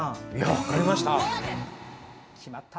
分かりました。